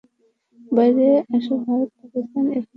বাইরে আসো ভারত, পাকিস্তান, এক মায়ের ছেলে।